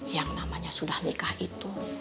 yang namanya sudah nikah itu